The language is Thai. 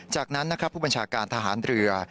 จากนั้นนะครับผู้บัญชาการทหารเรือ